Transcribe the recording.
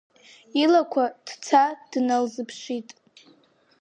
Илақәа ҭца дналзыԥшит.